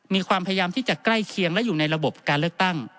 มีความพยายามที่จะใกล้เคียงและอยู่ในระบบการเลือกตั้ง